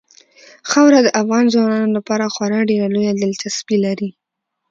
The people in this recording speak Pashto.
خاوره د افغان ځوانانو لپاره خورا ډېره لویه دلچسپي لري.